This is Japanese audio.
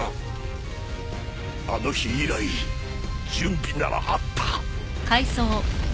あの日以来準備ならあった